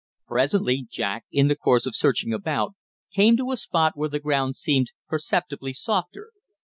Presently Jack in the course of searching about, came to a spot where the ground seemed perceptibly softer.